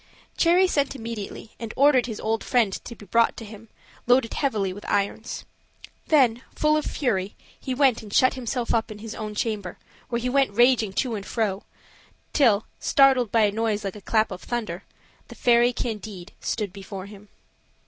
Cherry sent immediately, and ordered his old friend to be brought to him, loaded heavily with irons. Then, full of fury, he went and shut himself up in his own chamber, where he went raging to and fro, till startled by a noise like a clap of thunder. The fairy Candide stood before him.